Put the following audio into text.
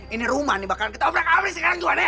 ini rumah nih bakalan kita obrak amris sekarang juga nek